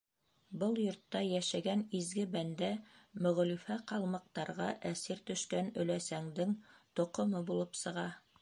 Был йортта йәшәгән изге бәндә Мөғлифә ҡалмыҡтарға әсир төшкән өләсәңдең тоҡомо булып сыға...